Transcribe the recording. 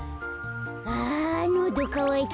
あのどかわいた。